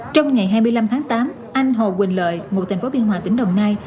trong ngày hai mươi năm tháng tám anh hồ quỳnh lợi ngụ thành phố biên hòa tỉnh đồng nai